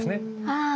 ああ。